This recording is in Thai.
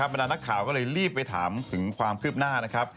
เมื่อนักข่าวก็เลยรีบไปถามถึงความคืบหน้า